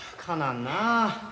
かなんなあ。